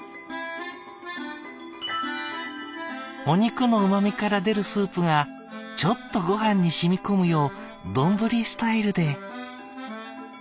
「お肉のうまみから出るスープがちょっとごはんに染み込むようどんぶりスタイルで」。